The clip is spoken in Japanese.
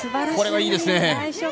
これはいいですね。